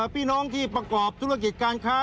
พี่น้องที่ประกอบธุรกิจการค้า